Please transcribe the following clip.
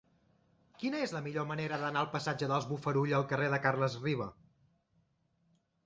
Quina és la millor manera d'anar del passatge dels Bofarull al carrer de Carles Riba?